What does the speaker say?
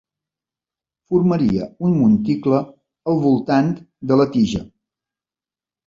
Formaria un monticle al voltant de la tija.